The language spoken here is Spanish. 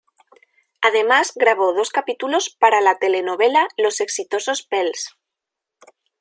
Además grabó dos capítulos para la telenovela "Los exitosos Pells".